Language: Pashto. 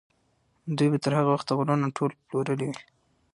دوی به تر هغه وخته غرونه ټول پلورلي وي.